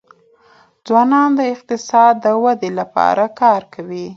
ځوانان د اقتصاد د ودي لپاره کار کوي.